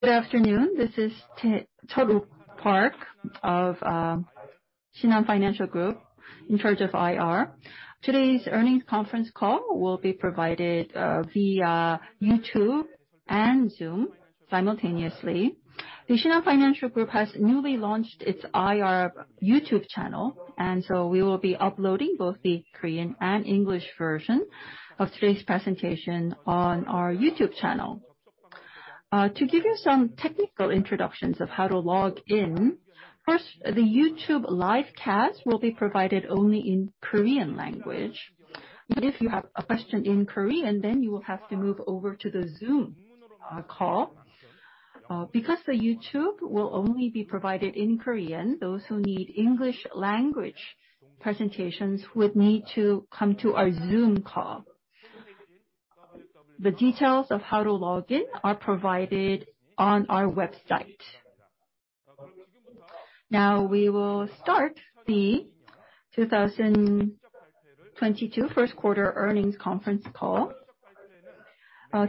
Good afternoon. This is Cheol Woo Park of Shinhan Financial Group in charge of IR. Today's earnings conference call will be provided via YouTube and Zoom simultaneously. Shinhan Financial Group has newly launched its IR YouTube channel, and so we will be uploading both the Korean and English version of today's presentation on our YouTube channel. To give you some technical introductions of how to log in. First, the YouTube live cast will be provided only in Korean language. If you have a question in Korean, then you will have to move over to the Zoom call. Because the YouTube will only be provided in Korean, those who need English language presentations would need to come to our Zoom call. The details of how to log in are provided on our website. Now we will start the 2022 first quarter earnings conference call.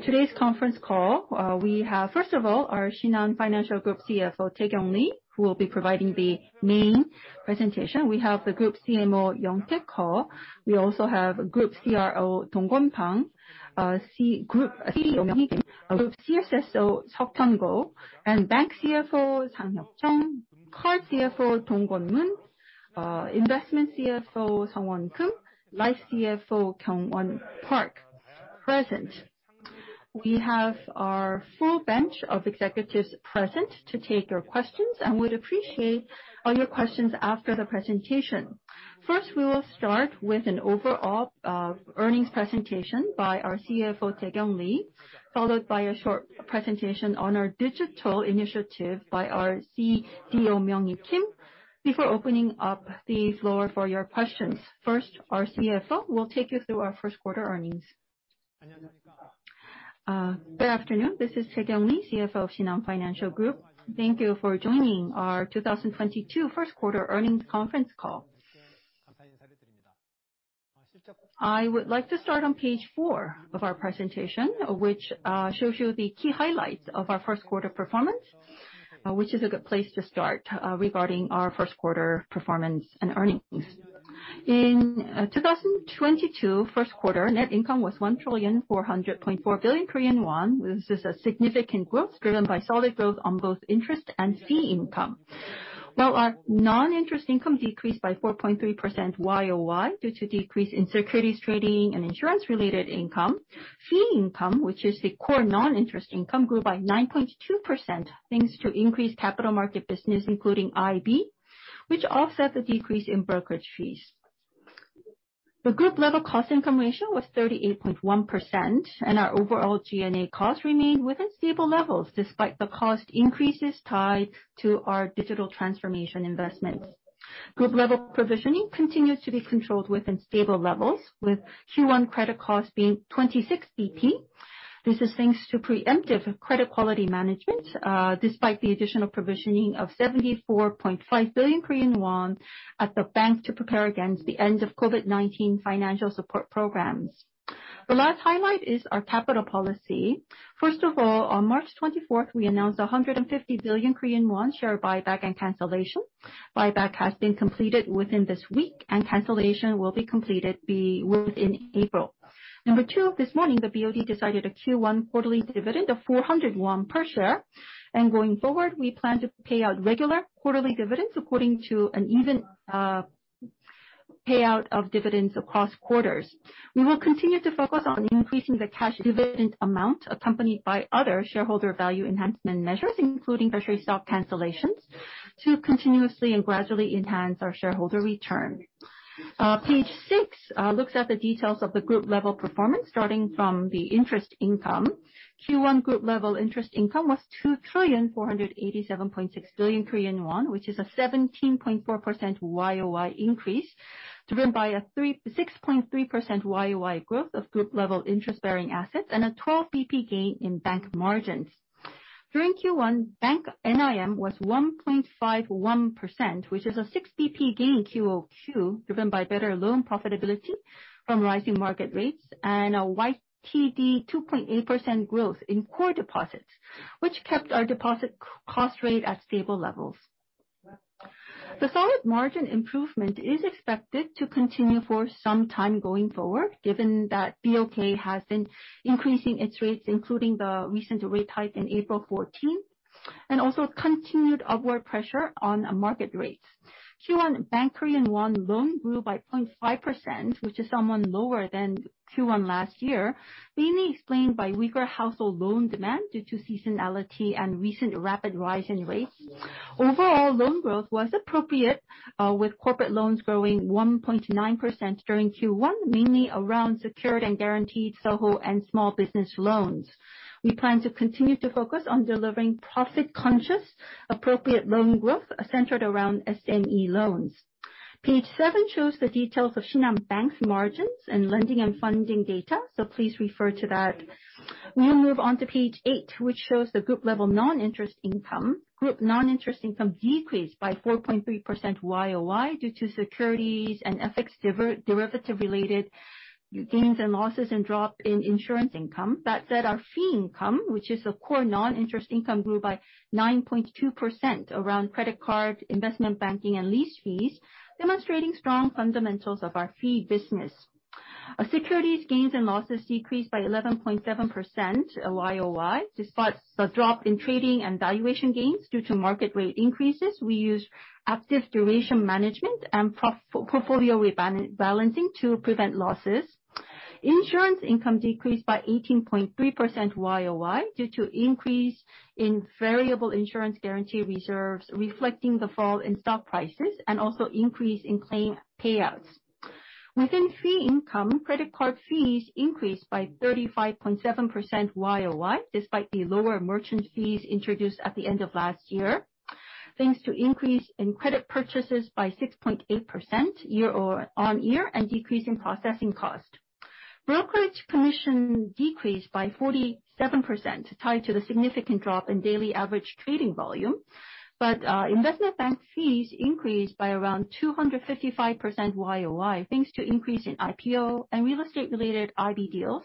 Today's conference call, we have, first of all, our Shinhan Financial Group CFO Taekyung Lee, who will be providing the main presentation. We have the Group CMO Heo Young-Taeg. We also have Group CRO Dongkwon Bang, Group CDO Myung-hee Kim, our Group CSSO Seok-Hon Ko, and Bank CFO Sang-Hyuk Jung, Card CFO Dong-Kwon Moon, Investment CFO Sung-Weon Keum, Life CFO Kyoung-Won Park present. We have our full bench of executives present to take your questions, and we'd appreciate all your questions after the presentation. First, we will start with an overall earnings presentation by our CFO Taekyung Lee, followed by a short presentation on our digital initiative by our CDO Myung-hee Kim before opening up the floor for your questions. First, our CFO will take you through our first quarter earnings. Good afternoon. This is Taekyung Lee, CFO of Shinhan Financial Group. Thank you for joining our 2022 first quarter earnings conference call. I would like to start on page four of our presentation, which shows you the key highlights of our first quarter performance, which is a good place to start regarding our first quarter performance and earnings. In 2022 first quarter, net income was 1,400,400,000,000 Korean won, which is a significant growth driven by solid growth on both interest and fee income. While our non-interest income decreased by 4.3% YoY due to decrease in securities trading and insurance-related income, fee income, which is the core non-interest income, grew by 9.2%, thanks to increased capital market business, including IB, which offset the decrease in brokerage fees. The Group level cost income ratio was 38.1%, and our overall G&A costs remained within stable levels despite the cost increases tied to our digital transformation investments. Group level provisioning continues to be controlled within stable levels, with Q1 credit costs being 26 BP. This is thanks to preemptive credit quality management, despite the additional provisioning of 74.5 billion Korean won at the bank to prepare against the end of COVID-19 financial support programs. The last highlight is our capital policy. First of all, on March 24, we announced a 150 billion Korean won share buyback and cancellation. Buyback has been completed within this week and cancellation will be completed within April. Number two, this morning the BOD decided a Q1 quarterly dividend of 400 won per share. Going forward, we plan to pay out regular quarterly dividends according to an even payout of dividends across quarters. We will continue to focus on increasing the cash dividend amount accompanied by other shareholder value enhancement measures, including treasury stock cancellations, to continuously and gradually enhance our shareholder return. Page six looks at the details of the Group level performance starting from the interest income. Q1 Group level interest income was 2,487,600,000,000 Korean won, which is a 17.4% YoY increase, driven by a 6.3% YoY growth of group level interest-bearing assets and a 12 BP gain in bank margins. During Q1, Bank NIM was 1.51%, which is a 6 BP gain QoQ, driven by better loan profitability from rising market rates and a YTD 2.8% growth in core deposits, which kept our deposit cost rate at stable levels. The solid margin improvement is expected to continue for some time going forward, given that BOK has been increasing its rates, including the recent rate hike in April 14th, and also continued upward pressure on market rates. Q1 Bank Korean won loans grew by 0.5%, which is somewhat lower than Q1 last year, mainly explained by weaker household loan demand due to seasonality and recent rapid rise in rates. Overall loan growth was appropriate, with corporate loans growing 1.9% during Q1, mainly around secured and guaranteed SOHO and small business loans. We plan to continue to focus on delivering profit-conscious, appropriate loan growth centered around SME loans. Page seven shows the details of Shinhan Bank's margins and lending and funding data, so please refer to that. We'll move on to page eight, which shows the group level non-interest income. Group non-interest income decreased by 4.3% YoY due to securities and FX derivative-related gains and losses and drop in insurance income. That said, our fee income, which is the core non-interest income, grew by 9.2% from credit card, investment banking and lease fees, demonstrating strong fundamentals of our fee business. Our securities gains and losses decreased by 11.7% YoY, despite the drop in trading and valuation gains due to market rate increases. We use active duration management and portfolio rebalancing to prevent losses. Insurance income decreased by 18.3% YoY due to increase in variable insurance guarantee reserves, reflecting the fall in stock prices and also increase in claim payouts. Within fee income, credit card fees increased by 35.7% YoY, despite the lower merchant fees introduced at the end of last year, thanks to increase in credit purchases by 6.8% year-on-year and decrease in processing cost. Brokerage commission decreased by 47% tied to the significant drop in daily average trading volume. Investment bank fees increased by around 255% YoY, thanks to increase in IPO and real estate-related IB deals.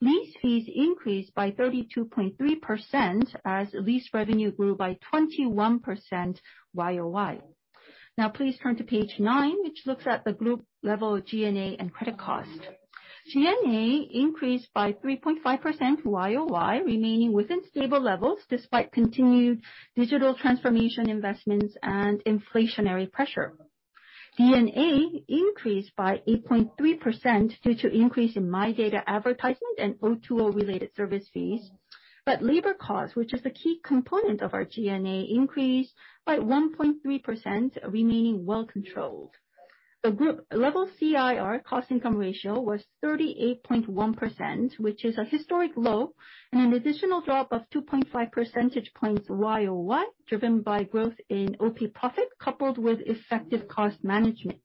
Lease fees increased by 32.3% as lease revenue grew by 21% YoY. Now please turn to page 9, which looks at the group-level G&A and credit cost. G&A increased by 3.5% YOY, remaining within stable levels despite continued digital transformation investments and inflationary pressure. G&A increased by 8.3% due to increase in MyData advertisement and O2O-related service fees. Labor cost, which is the key component of our G&A, increased by 1.3%, remaining well controlled. The Group level CIR, cost income ratio, was 38.1%, which is a historic low and an additional drop of 2.5 percentage points YOY, driven by growth in OP profit coupled with effective cost management.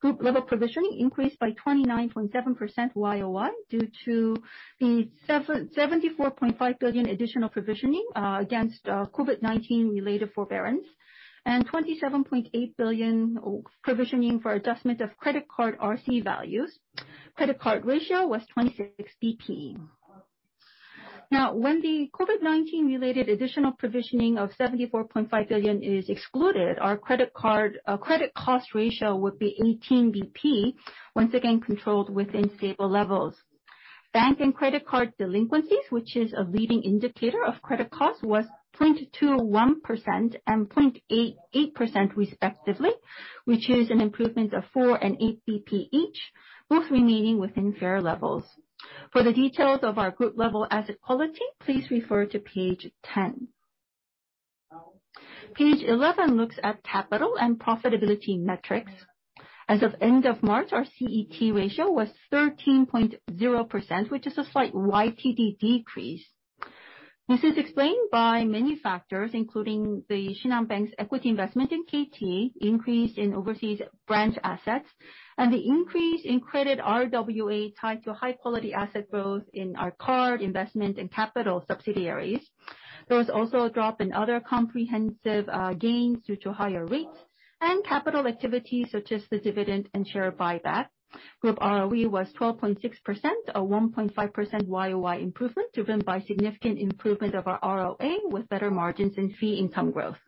Group level provisioning increased by 29.7% YOY due to the 74.5 billion additional provisioning against COVID-19-related forbearance, and 27.8 billion provisioning for adjustment of credit card RC values. Credit card ratio was 26 BP. Now, when the COVID-19-related additional provisioning of 74.5 billion is excluded, our credit card credit cost ratio would be 18 BP, once again controlled within stable levels. Bank and credit card delinquencies, which is a leading indicator of credit costs, was 0.21% and 0.88% respectively, which is an improvement of 4 and 8 BP each, both remaining within fair levels. For the details of our group level asset quality, please refer to page 10. Page 11 looks at capital and profitability metrics. As of end of March, our CET ratio was 13.0%, which is a slight YTD decrease. This is explained by many factors, including the Shinhan Bank equity investment in KT, increase in overseas branch assets, and the increase in credit RWA tied to high-quality asset growth in our card, investment, and capital subsidiaries. There was also a drop in other comprehensive gains due to higher rates and capital activities such as the dividend and share buyback. Group ROE was 12.6%, a 1.5% YOY improvement driven by significant improvement of our ROA with better margins and fee income growth.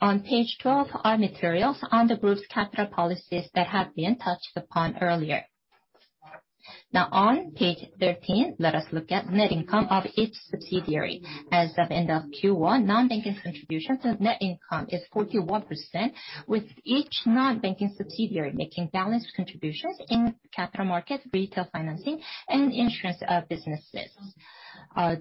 On page twelve are materials on the group's capital policies that have been touched upon earlier. Now on page 13, let us look at net income of each subsidiary. As of end of Q1, non-banking contribution to net income is 41%, with each non-banking subsidiary making balanced contributions in capital markets, retail financing, and insurance businesses.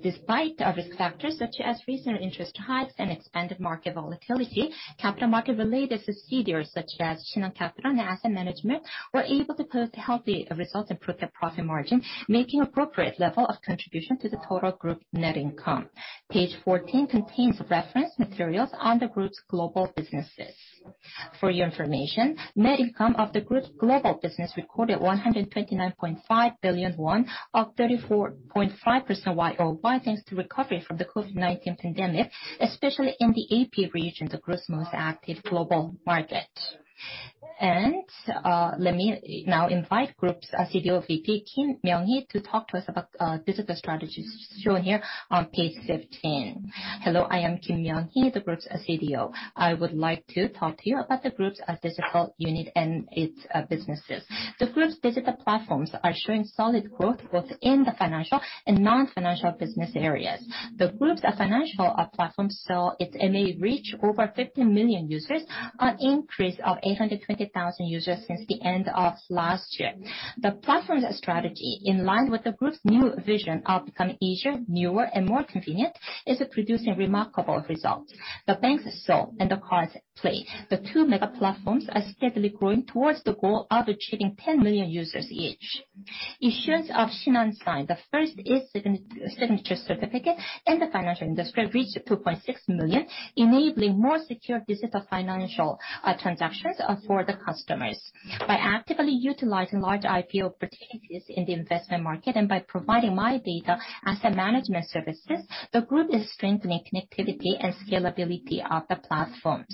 Despite other factors such as recent interest hikes and expanded market volatility, capital market-related subsidiaries such as Shinhan Capital and Shinhan Asset Management were able to post healthy results and pre-tax profit margin, making appropriate level of contribution to the total group net income. Page 14 contains reference materials on the group's global businesses. For your information, net income of the group's global business recorded 129.5 billion won, up 34.5% YoY, thanks to recovery from the COVID-19 pandemic, especially in the APAC region, the group's most active global market. Let me now invite group's CDO VP, Kim Myung-hee, to talk to us about digital strategies shown here on page 15. Hello, I am Kim Myung-hee, the group's CDO. I would like to talk to you about the group's digital unit and its businesses. The group's digital platforms are showing solid growth, both in the financial and non-financial business areas. The group's financial platforms saw its MAU reach over 50 million users, an increase of 820,000 users since the end of last year. The platform's strategy, in line with the group's new vision of becoming easier, newer, and more convenient, is producing remarkable results. The bank's SOL and the card's pLay, the two mega platforms, are steadily growing towards the goal of achieving 10 million users each. Issuance of Shinhan Sign, the first e-signature certificate in the financial industry, reached 2.6 million, enabling more secure digital financial transactions for the customers. By actively utilizing large IP opportunities in the investment market and by providing MyData asset management services, the group is strengthening connectivity and scalability of the platforms.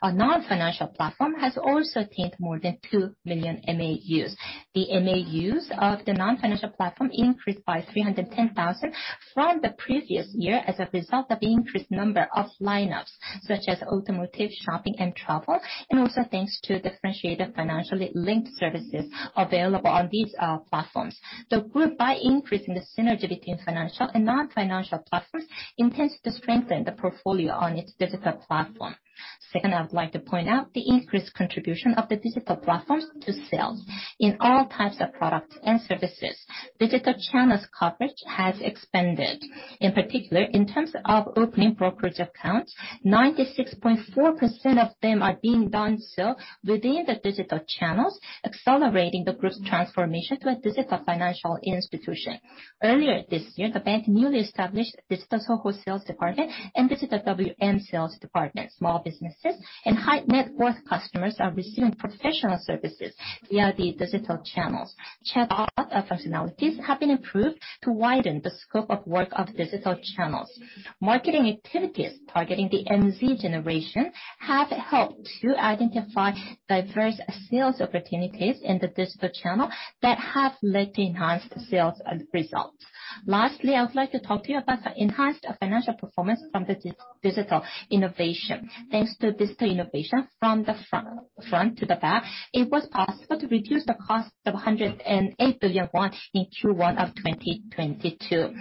Our non-financial platform has also attained more than 2 million MAUs. The MAUs of the non-financial platform increased by 310,000 from the previous year as a result of the increased number of lineups, such as automotive, shopping, and travel, and also thanks to differentiated financially linked services available on these platforms. The group, by increasing the synergy between financial and non-financial platforms, intends to strengthen the portfolio on its digital platform. Second, I would like to point out the increased contribution of the digital platforms to sales. In all types of products and services, digital channels coverage has expanded. In particular, in terms of opening brokerage accounts, 96.4% of them are being done so within the digital channels, accelerating the group's transformation to a digital financial institution. Earlier this year, the bank newly established a digital wholesales department and digital WM sales department. Small businesses and high-net-worth customers are receiving professional services via the digital channels. Chatbot functionalities have been improved to widen the scope of work of digital channels. Marketing activities targeting the MZ generation have helped to identify diverse sales opportunities in the digital channel that have led to enhanced sales results. Lastly, I would like to talk to you about the enhanced financial performance from the digital innovation. Thanks to digital innovation from the front to the back, it was possible to reduce the cost of 108 billion won in Q1 of 2022.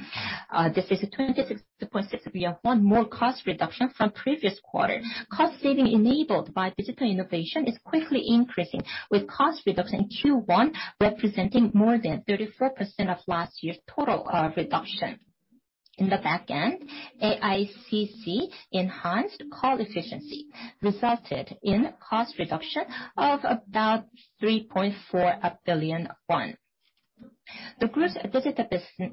This is a 26.6 billion won more cost reduction from previous quarter. Cost saving enabled by digital innovation is quickly increasing, with cost reduction in Q1 representing more than 34% of last year's total reduction. In the back end, AICC enhanced call efficiency resulted in cost reduction of about 3.4 billion won. The group's digital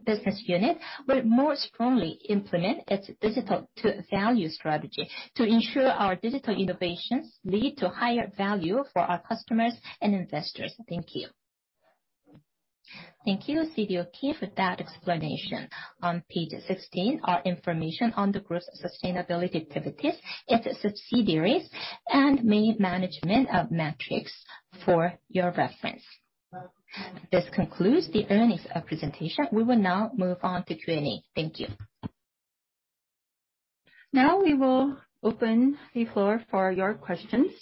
business unit will more strongly implement its digital-to-value strategy to ensure our digital innovations lead to higher value for our customers and investors. Thank you. Thank you, CDO Ki, for that explanation. On page 16 are information on the group's sustainability activities, its subsidiaries, and main management metrics for your reference. This concludes the earnings presentation. We will now move on to Q&A. Thank you. Now we will open the floor for your questions.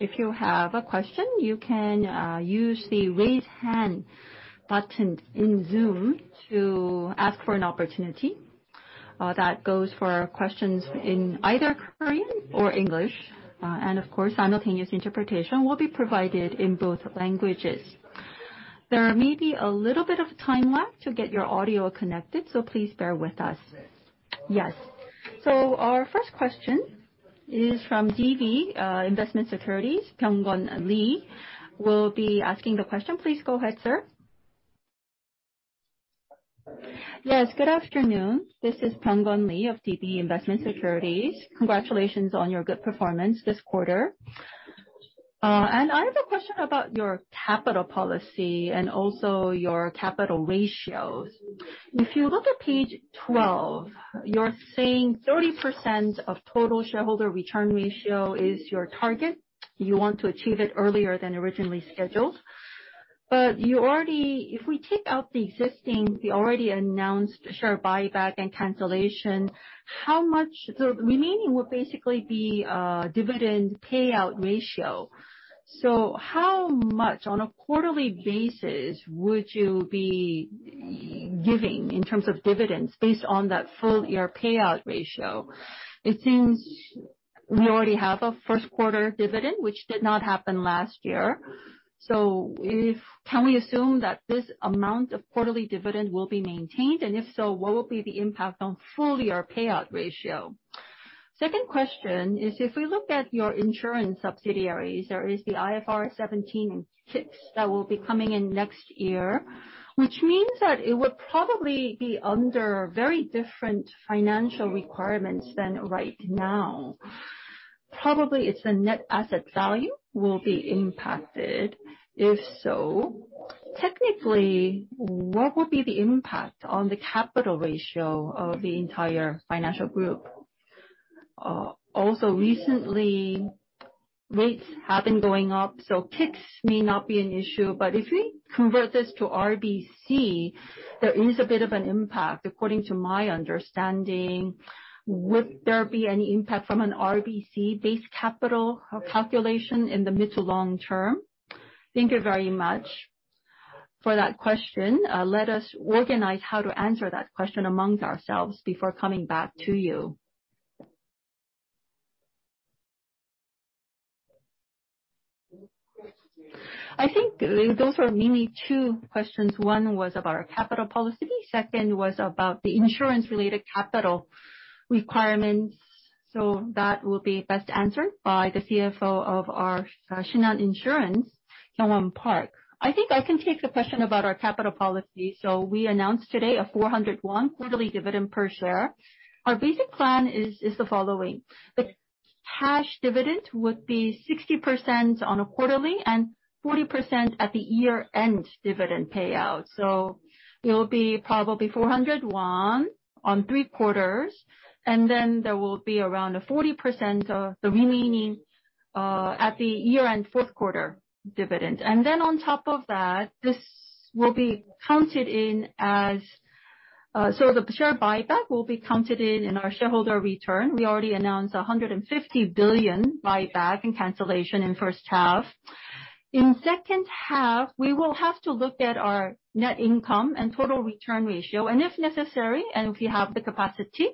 If you have a question, you can use the Raise Hand button in Zoom to ask for an opportunity. That goes for questions in either Korean or English. And of course, simultaneous interpretation will be provided in both languages. There may be a little bit of time lag to get your audio connected, so please bear with us. Yes. Our first question is from DB Financial Investment. Pyounggon Lee will be asking the question. Please go ahead, sir. Yes, good afternoon. This is Pyounggon Lee of DB Financial Investment. Congratulations on your good performance this quarter. I have a question about your capital policy and also your capital ratios. If you look at page 12, you're saying 30% of total shareholder return ratio is your target. You want to achieve it earlier than originally scheduled. You already. If we take out the existing, the already announced share buyback and cancellation, how much? The remaining would basically be a dividend payout ratio. How much on a quarterly basis would you be giving in terms of dividends based on that full-year payout ratio? It seems we already have a first quarter dividend, which did not happen last year. If we can assume that this amount of quarterly dividend will be maintained, what will be the impact on full-year payout ratio? Second question is, if we look at your insurance subsidiaries, there is the IFRS 17 K-ICS that will be coming in next year, which means that it would probably be under very different financial requirements than right now. Probably the net asset value will be impacted. If so, technically, what would be the impact on the capital ratio of the entire financial group? Also, recently, rates have been going up, so K-ICS may not be an issue, but if we convert this to RBC, there is a bit of an impact, according to my understanding. Would there be any impact from an RBC base capital calculation in the mid to long term? Thank you very much for that question. Let us organize how to answer that question amongst ourselves before coming back to you. I think those are mainly two questions. One was about our capital policy, second was about the insurance-related capital requirements. That will be best answered by the CFO of our Shinhan Life Insurance, Park Kyoung-Won. I think I can take the question about our capital policy. We announced today a 400 won quarterly dividend per share. Our basic plan is the following. The cash dividend would be 60% on a quarterly and 40% at the year-end dividend payout. It will be probably 400 won on three quarters, and then there will be around a 40% of the remaining at the year-end fourth quarter dividend. Then on top of that, this will be counted in as. The share buyback will be counted in our shareholder return. We already announced a 150 billion buyback and cancellation in first half. In second half, we will have to look at our net income and total return ratio. If necessary, and if we have the capacity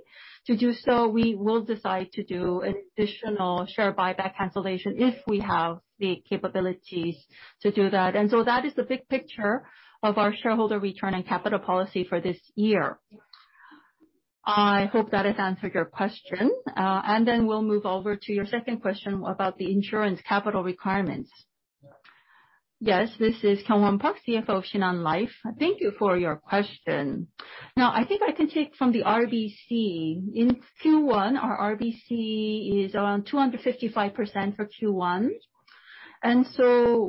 to do so, we will decide to do an additional share buyback cancellation if we have the capabilities to do that. That is the big picture of our shareholder return and capital policy for this year. I hope that has answered your question. We'll move over to your second question about the insurance capital requirements. Yes, this is Park Kyoung-Won, CFO of Shinhan Life. Thank you for your question. Now I think I can take from the RBC. In Q1, our RBC is around 255% for Q1, and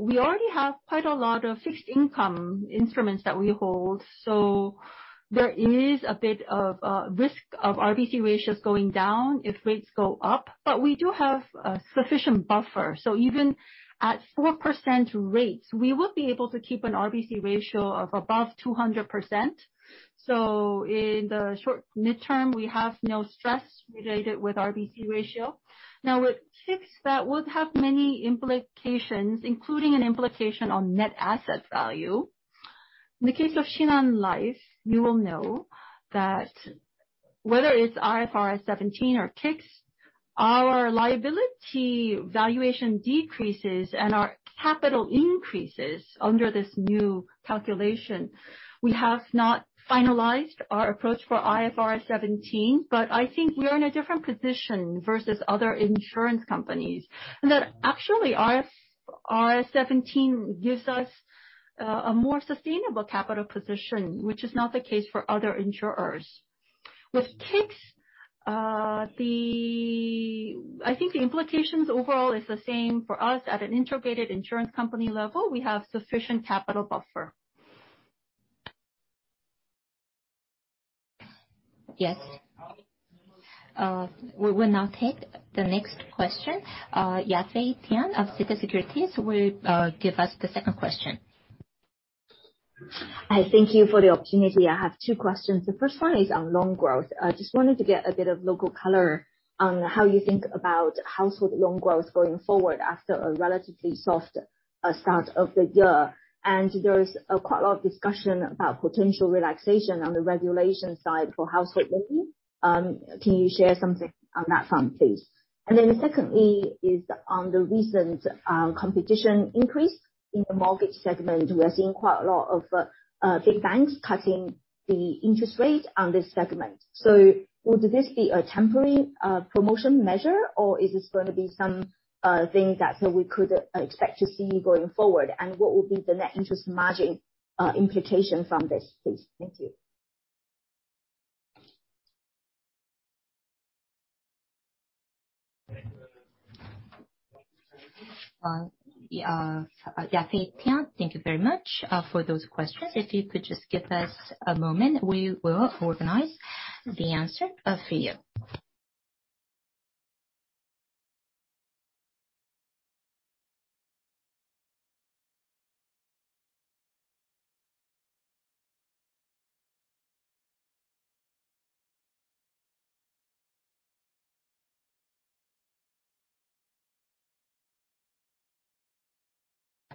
we already have quite a lot of fixed income instruments that we hold, so there is a bit of risk of RBC ratios going down if rates go up. We do have a sufficient buffer. Even at 4% rates, we would be able to keep an RBC ratio of above 200%. In the short mid-term, we have no stress related with RBC ratio. Now, with K-ICS, that would have many implications, including an implication on net asset value. In the case of Shinhan Life, you will know that whether it's IFRS 17 or K-ICS, our liability valuation decreases and our capital increases under this new calculation. We have not finalized our approach for IFRS 17, but I think we're in a different position versus other insurance companies, and that actually IFRS 17 gives us a more sustainable capital position, which is not the case for other insurers. With K-ICS, I think the implications overall is the same for us. At an integrated insurance company level, we have sufficient capital buffer. Yes. We will now take the next question. Yafei Tian of Citi will give us the second question. Hi, thank you for the opportunity. I have two questions. The first one is on loan growth. I just wanted to get a bit of local color on how you think about household loan growth going forward after a relatively soft start of the year. There is quite a lot of discussion about potential relaxation on the regulation side for household lending. Can you share something on that front, please? Then secondly is on the recent competition increase in the mortgage segment. We are seeing quite a lot of big banks cutting the interest rate on this segment. Would this be a temporary promotion measure, or is this gonna be something that we could expect to see going forward? What would be the net interest margin implication from this, please? Thank you. Yafei Tian, thank you very much for those questions. If you could just give us a moment, we will organize the answer for you.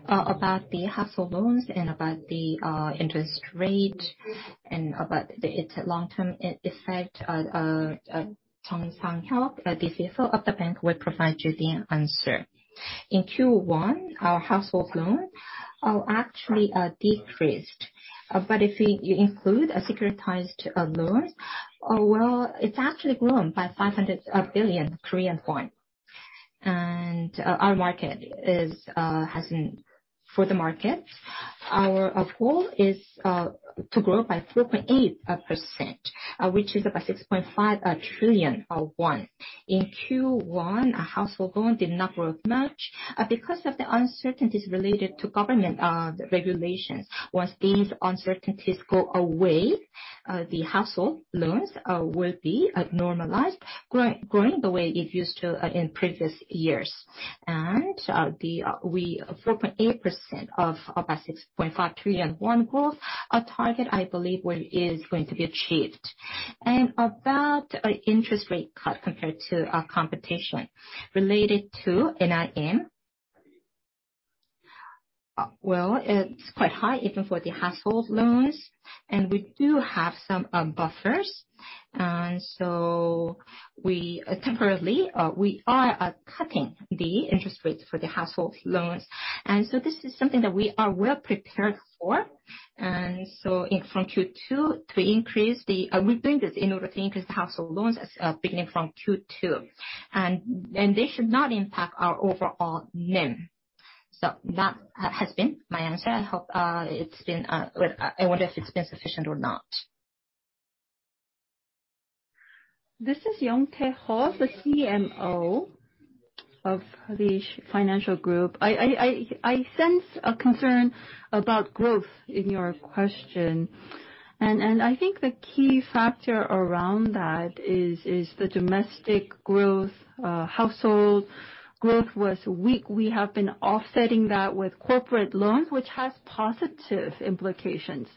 About the household loans and about the interest rate and about its long-term effect, Jung Sang-Hyuk, the CFO of the bank, will provide you the answer. In Q1, our household loans actually decreased, but if you include securitized loans, well, it's actually grown by 500 billion Korean won. Our market share hasn't. For the market, our goal is to grow by 4.8%, which is about 6.5 trillion won. In Q1, our household loan did not grow much because of the uncertainties related to government regulations. Once these uncertainties go away, the household loans will be normalized, growing the way it used to in previous years. The 4.8% of our 6.5 trillion won growth target, I believe, is going to be achieved. About our interest rate cut compared to our competition related to NIM, well, it's quite high, even for the household loans, and we do have some buffers. We are temporarily cutting the interest rates for the household loans. This is something that we are well prepared for. From Q2, we're doing this in order to increase the household loans beginning from Q2. This should not impact our overall NIM. That has been my answer. I hope it's been. Well, I wonder if it's been sufficient or not. This is Heo Young-Taeg, the CMO of Shinhan Financial Group. I sense a concern about growth in your question, and I think the key factor around that is the domestic growth. Household growth was weak. We have been offsetting that with corporate loans, which has positive implications.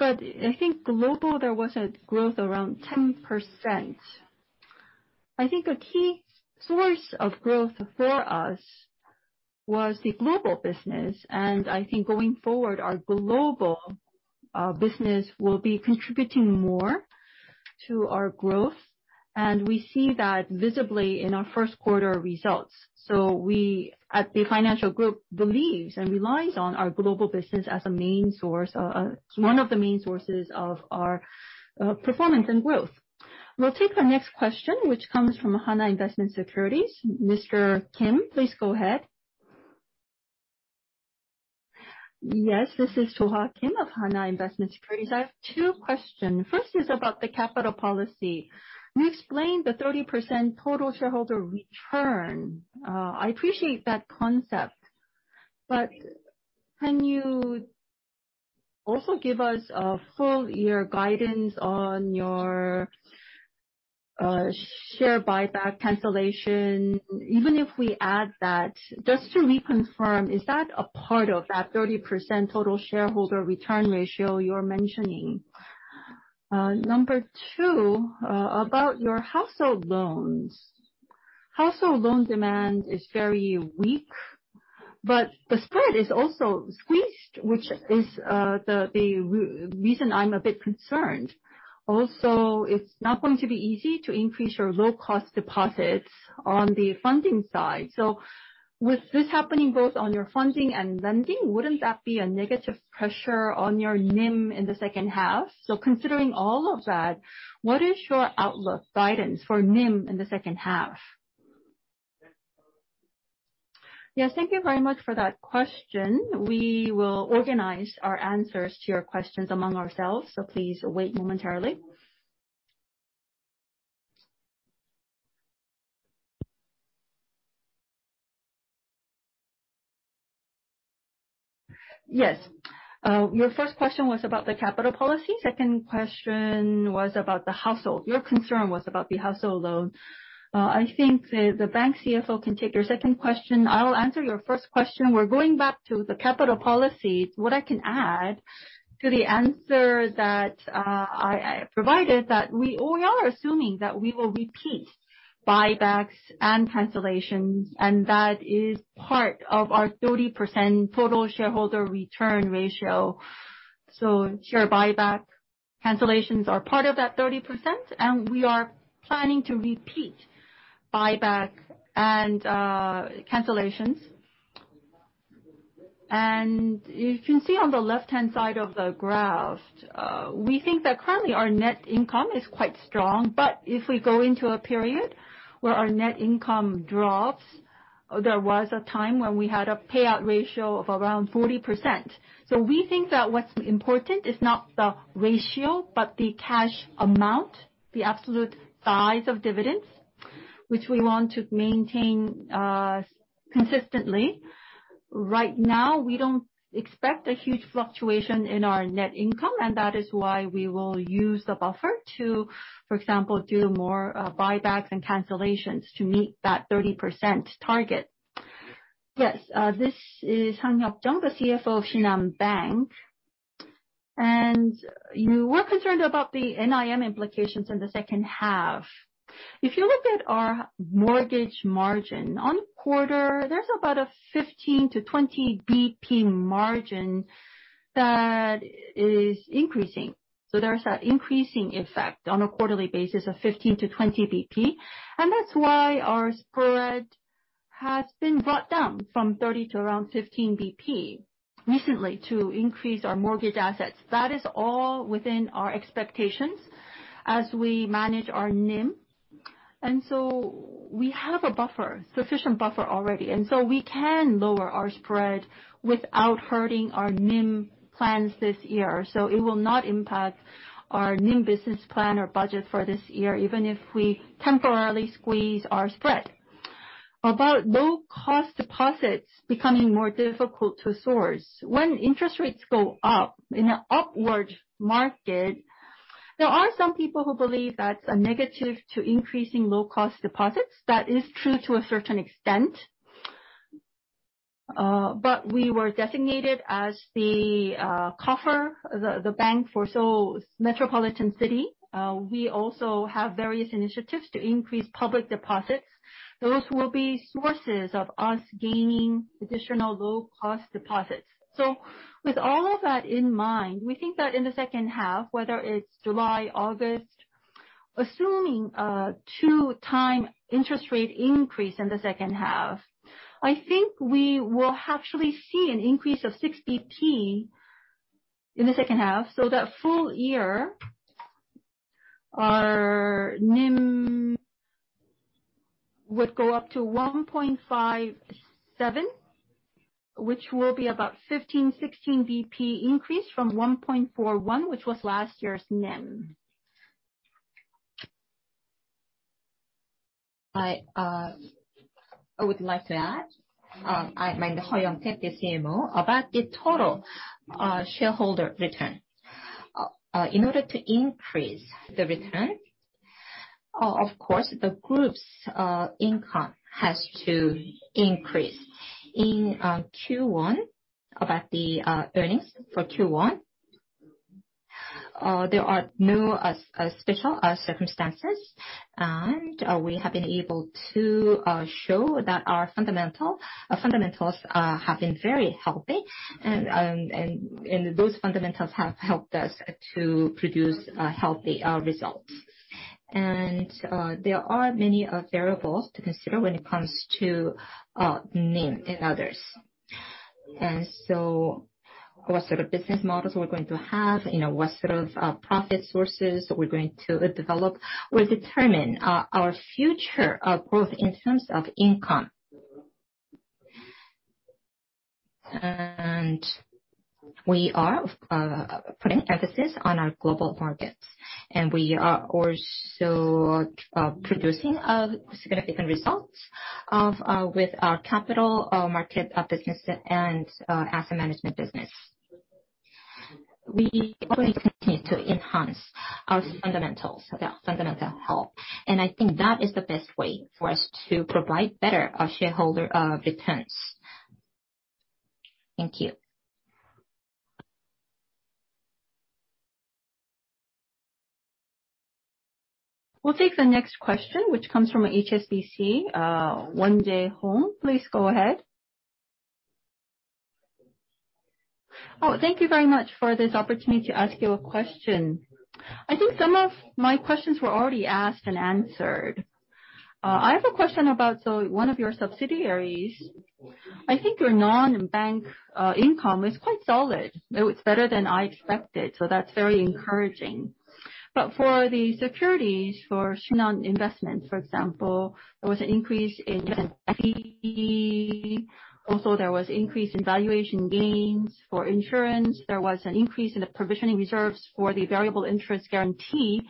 I think global there was a growth around 10%. I think a key source of growth for us was the global business, and I think going forward, our global business will be contributing more to our growth. We see that visibly in our first quarter results. We at Shinhan Financial Group believes and relies on our global business as a main source, one of the main sources of our performance and growth. We'll take our next question, which comes from Hana Investment Securities. Mr. Kim, please go ahead. Yes, this is [Soha] Kim of Hana Investment Securities. I have two question. First is about the capital policy. You explained the 30% total shareholder return. I appreciate that concept. Can you also give us a full-year guidance on your share buyback cancellation? Even if we add that, just to reconfirm, is that a part of that 30% total shareholder return ratio you're mentioning? Number two, about your household loans. Household loan demand is very weak, but the spread is also squeezed, which is the reason I'm a bit concerned. Also, it's not going to be easy to increase your low-cost deposits on the funding side. With this happening both on your funding and lending, wouldn't that be a negative pressure on your NIM in the second half? Considering all of that, what is your outlook guidance for NIM in the second half? Yes, thank you very much for that question. We will organize our answers to your questions among ourselves, so please wait momentarily. Yes. Your first question was about the capital policy. Second question was about the household. Your concern was about the household loan. I think the Bank CFO can take your second question. I'll answer your first question. We're going back to the capital policy. What I can add to the answer that I provided, that we are assuming that we will repeat buybacks and cancellations, and that is part of our 30% total shareholder return ratio. Share buyback cancellations are part of that 30%, and we are planning to repeat buyback and cancellations. You can see on the left-hand side of the graph, we think that currently our net income is quite strong, but if we go into a period where our net income drops, there was a time when we had a payout ratio of around 40%. We think that what's important is not the ratio, but the cash amount, the absolute size of dividends, which we want to maintain consistently. Right now, we don't expect a huge fluctuation in our net income, and that is why we will use the buffer to, for example, do more buybacks and cancellations to meet that 30% target. Yes. This is Jung Sang-Hyuk, the CFO of Shinhan Bank. You were concerned about the NIM implications in the second half. If you look at our mortgage margin on quarter, there's about a 15-20 BP margin that is increasing. There's that increasing effect on a quarterly basis of 15-20 BP. That's why our spread has been brought down from 30 to around 15 BP recently to increase our mortgage assets. That is all within our expectations as we manage our NIM. We have a buffer, sufficient buffer already. We can lower our spread without hurting our NIM plans this year. It will not impact our NIM business plan or budget for this year, even if we temporarily squeeze our spread. About low-cost deposits becoming more difficult to source. When interest rates go up in an upward market, there are some people who believe that's a negative to increasing low-cost deposits. That is true to a certain extent. We were designated as the bank for Seoul's metropolitan city. We also have various initiatives to increase public deposits. Those will be sources of us gaining additional low-cost deposits. With all of that in mind, we think that in the second half, whether it's July, August, assuming a two-time interest rate increase in the second half, I think we will actually see an increase of 60 BP in the second half. That full year, our NIM would go up to 1.57, which will be about 15, 16 BP increase from 1.41, which was last year's NIM. I would like to add, I am the Heo Young-Taeg, the CMO, about the total shareholder return. In order to increase the return, of course, the group's income has to increase. In Q1 about the earnings for Q1, there are no special circumstances, and we have been able to show that our fundamentals have been very healthy. Those fundamentals have helped us to produce healthy results. There are many variables to consider when it comes to NIM and others. What sort of business models we're going to have, you know, what sort of profit sources we're going to develop will determine our future growth in terms of income. We are putting emphasis on our global markets, and we are also producing significant results with our capital market business and asset management business. We will continue to enhance our fundamentals, our fundamental health, and I think that is the best way for us to provide better shareholder returns. Thank you. We'll take the next question, which comes from HSBC. Wendy Hong, please go ahead. Oh, thank you very much for this opportunity to ask you a question. I think some of my questions were already asked and answered. I have a question about one of your subsidiaries. I think your non-bank income was quite solid. It was better than I expected, so that's very encouraging. For the securities, for Shinhan Investment, for example, there was an increase in fee. Also, there was increase in valuation gains. For insurance, there was an increase in the provisioning reserves for the variable interest guarantee.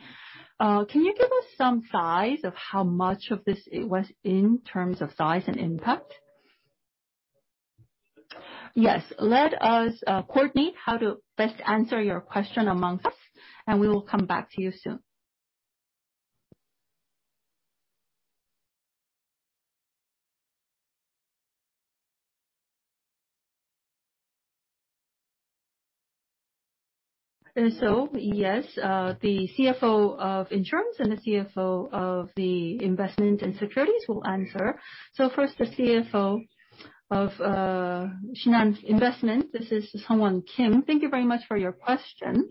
Can you give us some size of how much of this it was in terms of size and impact? Yes. Let us coordinate how to best answer your question amongst us, and we will come back to you soon. Yes, the CFO of insurance and the CFO of the investment and securities will answer. First, the CFO of Shinhan Investment. This is Keum Sung-Weon. Thank you very much for your question.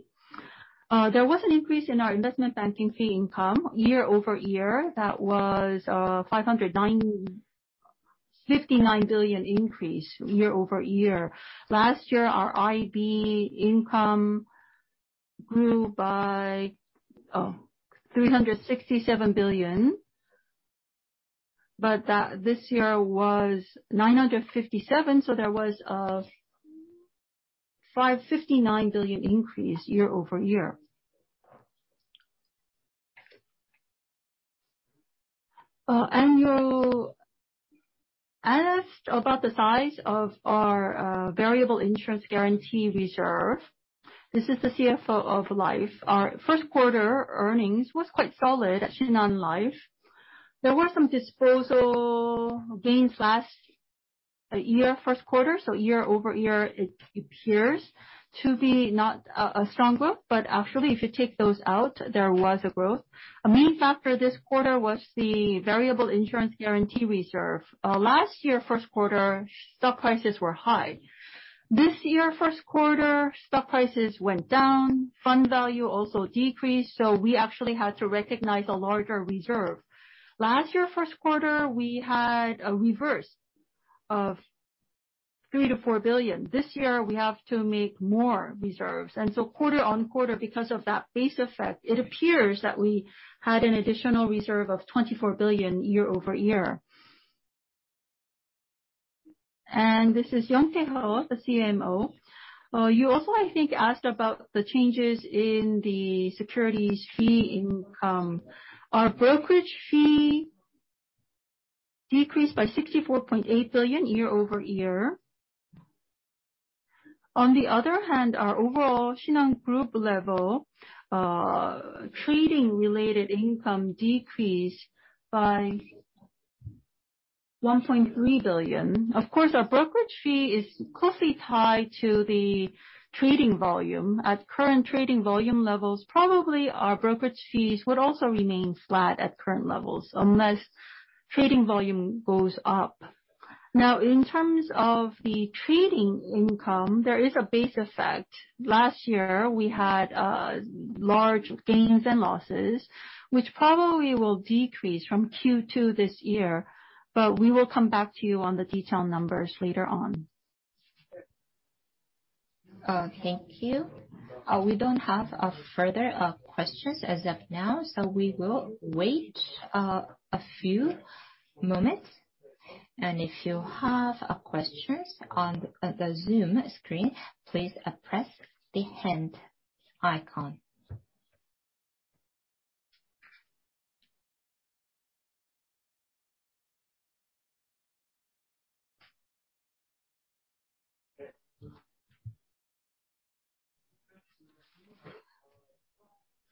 There was an increase in our investment banking fee income year-over-year. That was 559 billion increase year-over-year. Last year, our IB income grew by 367 billion. This year was 957 billion, so there was a KRW 559 billion increase year-over-year. You asked about the size of our variable insurance guarantee reserve. This is the CFO of Shinhan Life. Our first quarter earnings was quite solid at Shinhan Life. There were some disposal gains last year first quarter, so year-over-year it appears to be not a strong growth. Actually, if you take those out, there was a growth. A main factor this quarter was the variable insurance guarantee reserve. Last year first quarter, stock prices were high. This year first quarter, stock prices went down, fund value also decreased, so we actually had to recognize a larger reserve. Last year first quarter, we had a reversal of 3 billion-4 billion. This year we have to make more reserves. Quarter-on-quarter, because of that base effect, it appears that we had an additional reserve of 24 billion year-over-year. This is Heo Young-Taeg, the CMO. You also, I think, asked about the changes in the securities fee income. Our brokerage fee decreased by KRW 64.8 billion year-over-year. On the other hand, our overall Shinhan Group level, trading-related income decreased by 1.3 billion. Of course, our brokerage fee is closely tied to the trading volume. At current trading volume levels, probably our brokerage fees would also remain flat at current levels unless trading volume goes up. Now, in terms of the trading income, there is a base effect. Last year, we had large gains and losses, which probably will decrease from Q2 this year, but we will come back to you on the detailed numbers later on. Thank you. We don't have further questions as of now, so we will wait a few moments. If you have questions on the Zoom screen, please press the hand icon.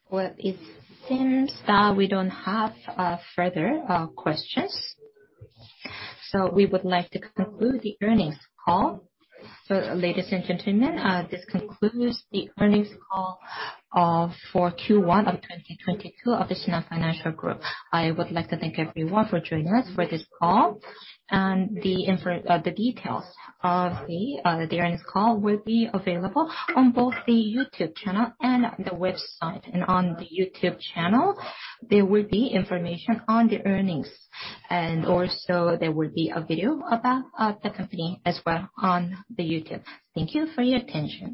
Well, it seems that we don't have further questions. We would like to conclude the earnings call. Ladies and gentlemen, this concludes the earnings call for Q1 of 2022 of the Shinhan Financial Group. I would like to thank everyone for joining us for this call. The details of the earnings call will be available on both the YouTube channel and the website. On the YouTube channel, there will be information on the earnings. Also there will be a video about the company as well on the YouTube. Thank you for your attention.